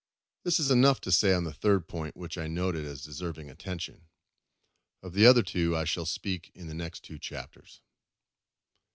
This is enough to say of the third point which I noted as deserving attention. Of the other two I shall speak in the next two Chapters.